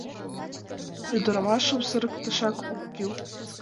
Ӱдырамашым сырыкташак ок кӱл.